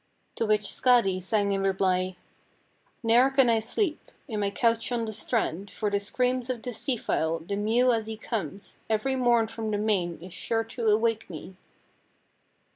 "To which Skadi sang in reply "'Ne'er can I sleep In my couch on the strand, For the screams of the sea fowl, The mew as he comes Every morn from the main Is sure to awake me.'